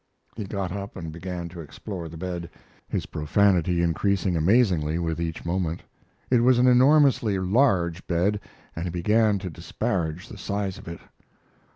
He got up and we began to explore the bed, his profanity increasing amazingly with each moment. It was an enormously large bed, and he began to disparage the size of it.